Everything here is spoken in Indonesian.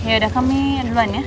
yaudah kami duluan ya